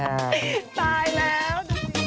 ตายแล้ว